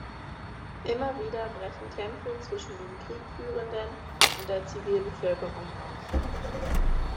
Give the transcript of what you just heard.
Immer wieder brechen Kämpfe zwischen den Kriegführenden und der Zivilbevölkerung aus.